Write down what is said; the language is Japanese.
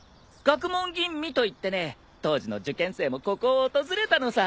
学問吟味といってね当時の受験生もここを訪れたのさ。